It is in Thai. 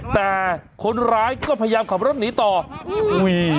แต่คนร้ายก็พยายามขับรถหนีต่ออุ้ย